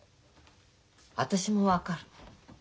私も分かる。